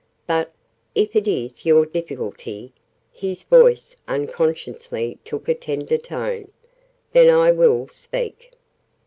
But, if it is your difficulty," (his voice unconsciously took a tenderer tone) "then I will speak."